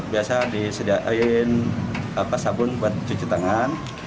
biasa disediakan sabun buat cuci tangan